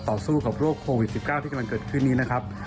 สู้กับโรคโควิด๑๙ที่กำลังเกิดขึ้นนี้นะครับ